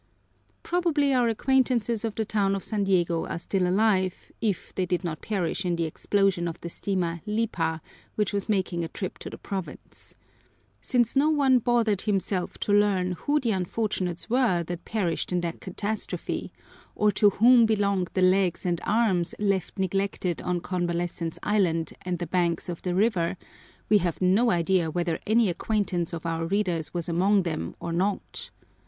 Probably our acquaintances of the town of San Diego are still alive, if they did not perish in the explosion of the steamer "Lipa," which was making a trip to the province. Since no one bothered himself to learn who the unfortunates were that perished in that catastrophe or to whom belonged the legs and arms left neglected on Convalescence Island and the banks of the river, we have no idea whether any acquaintance of our readers was among them or not.